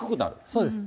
そうです。